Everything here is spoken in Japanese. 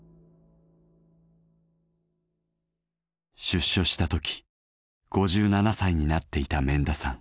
出所したとき５７歳になっていた免田さん。